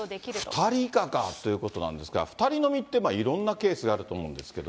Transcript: ２人以下かということなんですが、２人飲みって、いろんなケースがあると思うんですが。